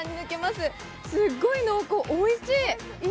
すっごい濃厚、おいしい。